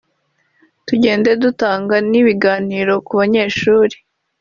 tugenda dutanga n’ibiganiro ku banyeshuri